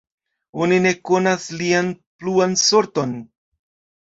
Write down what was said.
Oni ne konas lian pluan sorton.